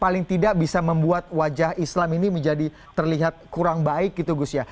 paling tidak bisa membuat wajah islam ini menjadi terlihat kurang baik gitu gus ya